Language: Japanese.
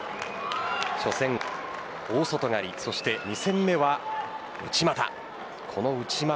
初戦大外刈、そして２戦目は内股。